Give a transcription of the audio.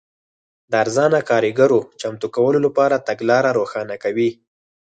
د ارزانه کارګرو چمتو کولو لپاره تګلاره روښانه کوي.